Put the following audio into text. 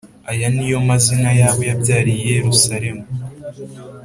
Aya ni yo mazina y’abo yabyariye i Yerusalemu